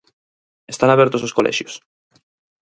Están abertos os colexios?